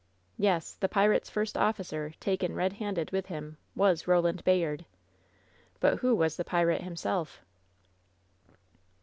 Yes! the pirate's first officer, taken, red handed, with him, was Roland Bayard! But who was the pirate himself?